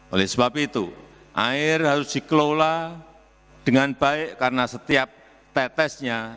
oleh sebab itu air harus dikelola dengan baik karena setiap tetesnya